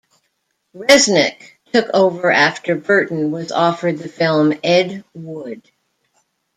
Resnick took over after Burton was offered the film "Ed Wood".